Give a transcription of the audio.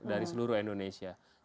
dari seluruh indonesia